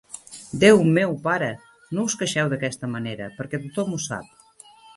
Déu meu, pare! No us queixeu d'aquesta manera, perquè tothom ho sap.